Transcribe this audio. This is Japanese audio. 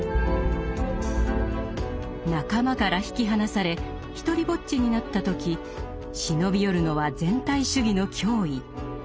「仲間」から引き離され独りぼっちになった時忍び寄るのは全体主義の脅威。